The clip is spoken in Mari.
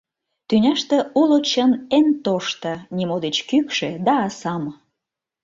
Тӱняште уло чын эн тошто, Нимо деч кӱкшӧ да асам.